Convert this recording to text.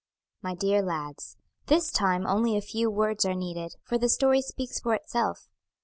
MY DEAR LADS, This time only a few words are needed, for the story speaks for itself.